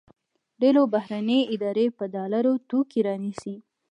ډېری بهرني ادارې په ډالرو توکي رانیسي.